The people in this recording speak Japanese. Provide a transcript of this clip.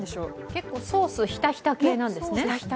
結構ソースひたひた系なんですね。